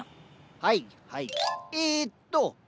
はいはいえっと